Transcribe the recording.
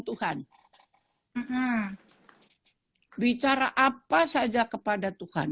tuhan bicara apa saja kepada tuhan